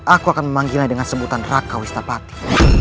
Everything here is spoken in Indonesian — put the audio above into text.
aku akan memanggilnya dengan sebutan raka wistapati